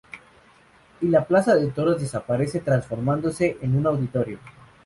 Y la plaza de toros desaparece transformándose en un auditorio.